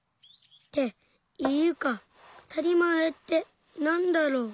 っていうかあたりまえってなんだろう。